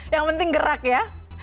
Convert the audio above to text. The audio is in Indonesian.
yang penting gerak ya